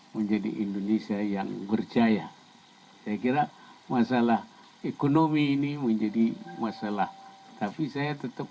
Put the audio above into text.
menjadi indonesia yang berjaya saya kira masalah ekonomi ini menjadi masalah tapi saya tetap